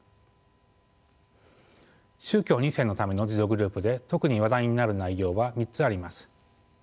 宗教２世のための自助グループで特に話題になる内容は３つあります。